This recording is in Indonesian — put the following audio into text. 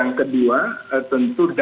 lupa di blur